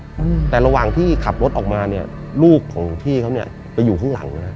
อืมแต่ระหว่างที่ขับรถออกมาเนี้ยลูกของพี่เขาเนี้ยไปอยู่ข้างหลังนะฮะ